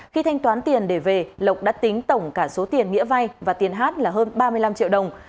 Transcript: khi thanh toán tiền để về lộc đã tính tổng cả số tiền nghĩa vay và tiền hát là hơn ba mươi năm triệu đồng